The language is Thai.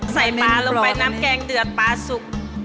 ใส่ปลาลงไปน้ำแกงเดือดปลาสุก